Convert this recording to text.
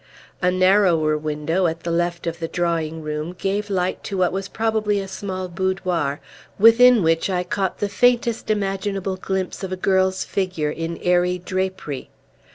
A narrower window, at the left of the drawing room, gave light to what was probably a small boudoir, within which I caught the faintest imaginable glimpse of a girl's figure, in airy drapery.